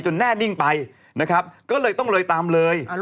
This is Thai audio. จนแน่นิ่งไปก็เลยต้องเลยตามเลย